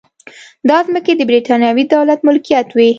دا ځمکې د برېټانوي دولت ملکیت وې.